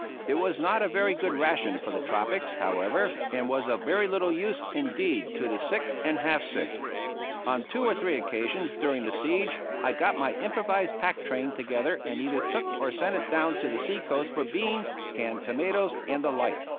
It was not a very good ration for the tropics, however, and was of very little use indeed to the sick and half sick. On two or three occasions during the siege I got my improvised pack train together and either took or sent it down to the sea coast for beans, canned tomatoes, and the like.